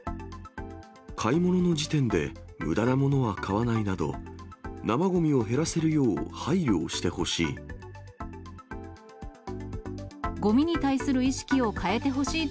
買い物の時点でむだなものは買わないなど、生ごみを減らせるよう配慮をしてほしい。